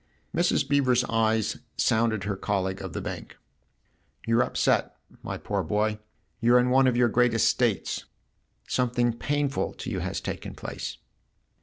Mrs. Beever's eyes sounded her colleague of the Bank. " You're upset, my poor boy you're in one of your greatest states. Something painful to you has taken place."